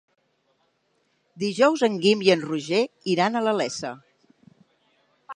Dijous en Guim i en Roger iran a la Iessa.